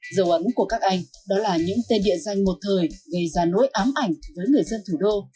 dấu ấn của các anh đó là những tên địa danh một thời gây ra nỗi ám ảnh với người dân thủ đô